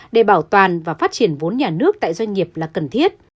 để bảo toàn và phát triển vốn nhà nước tại doanh nghiệp là cần thiết